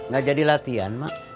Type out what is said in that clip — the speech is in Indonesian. gak jadi latihan mak